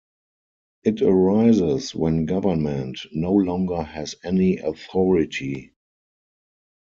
It arises when government no longer has any authority.